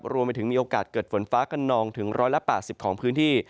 รวมไปถึงมีโอกาสเกิดฝนฟ้ากันนองถึง๑๘๐ของพื้นที่